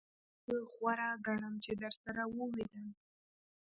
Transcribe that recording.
زه غوره ګڼم چی درسره ووینم.